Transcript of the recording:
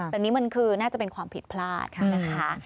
แบบนี้มันคือน่าจะเป็นความผิดพลาดนะคะ